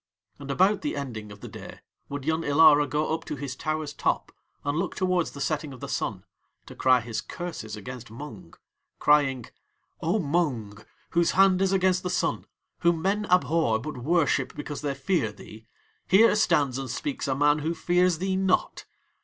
And about the ending of the day would Yun Ilara go up to his tower's top and look towards the setting of the Sun to cry his curses against Mung, crying: "O Mung! whose hand is against the Sun, whom men abhor but worship because they fear thee, here stands and speaks a man who fears thee not.